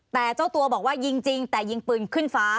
แต่เจ้าตัวบอกว่ายิงจริงแต่ยิงปืนขึ้นฟ้า